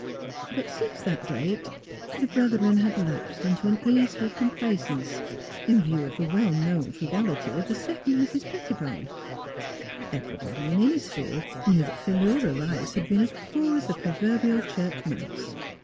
But since that date the brethren had lapsed into an easeful com placence, in view of the well known frugality of the second Mrs. Pettibone. Everybody in Innis field knew that Philura Eice had been as poor as the proverbial church mouse.